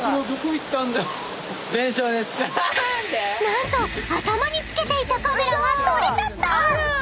［何と頭に付けていたカメラが取れちゃった！］